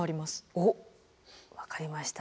おっ分かりました。